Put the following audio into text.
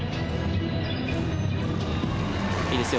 いいですよ。